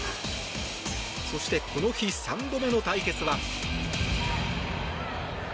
そしてこの日３度目の対決は。